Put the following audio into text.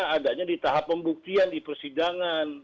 adanya di tahap pembuktian di persidangan